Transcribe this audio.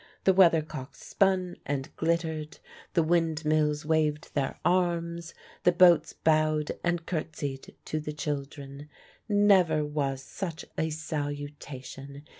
The weather cocks spun and glittered, the windmills waved their arms, the boats bowed and curtseyed to the children. Never was such a salutation.